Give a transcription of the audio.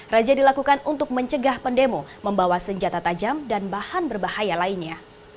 razia dilakukan untuk mencegah pendemo membawa senjata tajam dan bahan berbahaya lainnya